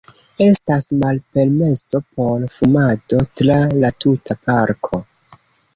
Estas malpermeso por fumado tra la tuta parko.